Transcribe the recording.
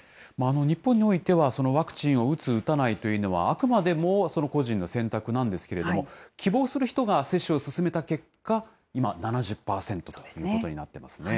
日本においては、ワクチンを打つ、打たないというのはあくまでもその個人の選択なんですけれども、希望する人が接種を進めた結果、今、７０％ということになっていますね。